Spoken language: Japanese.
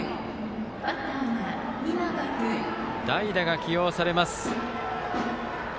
代打が起用されます。